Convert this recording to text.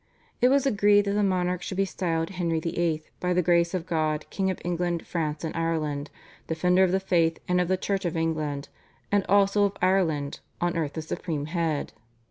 It was agreed that the monarch should be styled "Henry VIII. by the Grace of God King of England, France, and Ireland, Defender of the Faith, and of the Church of England, and also of Ireland, on earth the Supreme Head."